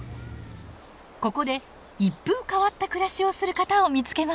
ここで一風変わった暮らしをする方を見つけました。